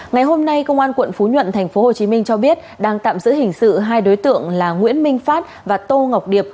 ngày hôm nay công an quận phú nhuận tp hcm cho biết đang tạm giữ hình sự hai đối tượng là nguyễn minh phát và tô ngọc điệp